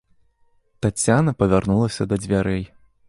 Таццяна павярнулася да дзвярэй.